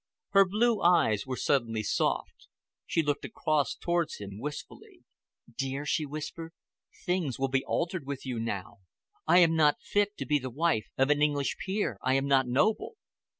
Her blue eyes were suddenly soft. She looked across towards him wistfully. "Dear," she whispered, "things will be altered with you now. I am not fit to be the wife of an English peer—I am not noble."